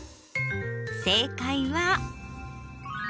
正解は。